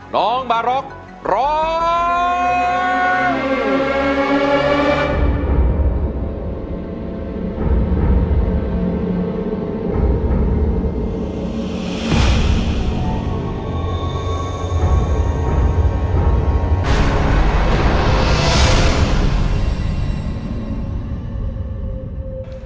น้องบาร็อกร้อง